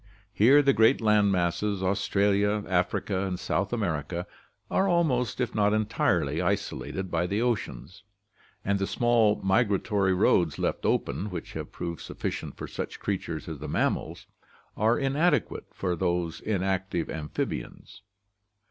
Here the great land masses, Australia, Africa, and South America, are almost if not entirely isolated by the oceans, and the small migratory roads left open, which have proved sufficient for such creatures as the mammals, are inadequate for these inactive amphibians.